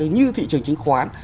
như thị trường chính khoán